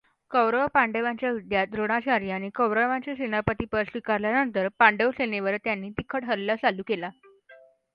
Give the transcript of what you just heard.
कौरव पांडवांच्या युद्धात द्रोणाचार्यांनी कौरवांचे सेनापतीपद स्वीकारल्यानंतर पांडवसेनेवर त्यांनी तिखट हल्ला चालू केला.